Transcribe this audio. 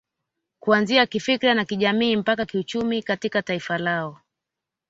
Kuanzia kifikra na kijamii mpaka kiuchumi katika taifa lao